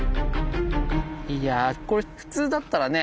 いやこれ普通だったらね